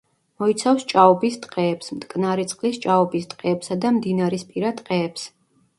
მოიცავს ჭაობის ტყეებს, მტკნარი წყლის ჭაობის ტყეებსა და მდინარისპირა ტყეებს.